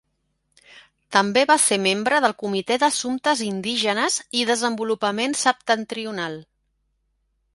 També va ser membre del comitè d'assumptes indígenes i desenvolupament septentrional.